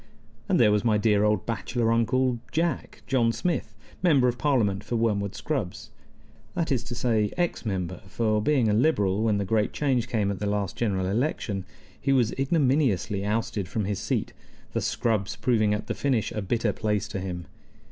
And there was my dear old bachelor Uncle Jack John Smith, Member of Parliament for Wormwood Scrubbs. That is to say, ex Member; for, being a Liberal when the great change came at the last general election, he was ignominiously ousted from his seat, the Scrubbs proving at the finish a bitter place to him.